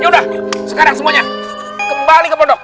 ya udah sekarang semuanya kembali ke pondok